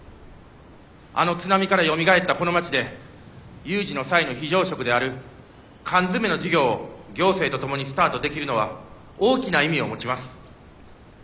あの津波からよみがえったこの町で有事の際の非常食である缶詰の事業を行政と共にスタートできるのは大きな意味を持ちます。